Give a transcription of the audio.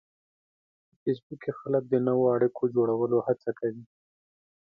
په فېسبوک کې خلک د نوو اړیکو جوړولو هڅه کوي